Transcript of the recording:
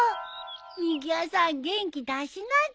みぎわさん元気出しなって。